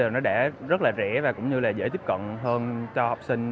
nó đã rất là rẻ và cũng như là dễ tiếp cận hơn cho học sinh